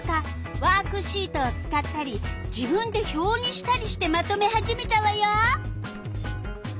ワークシートを使ったり自分で表にしたりしてまとめ始めたわよ！